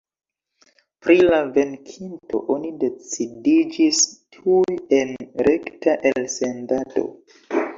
Pri la venkinto oni decidiĝis tuj en rekta elsendado.